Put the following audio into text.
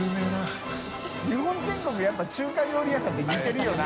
淵劵蹈漾日本全国やっぱ中華料理屋さんって似てるよな。